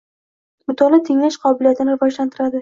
Mutolaa tinglash qobiliyatini rivojlantiradi.